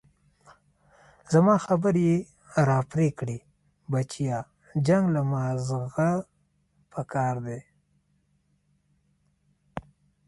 زما خبرې يې راپرې كړې بچيه جنګ له مازغه پكار دي.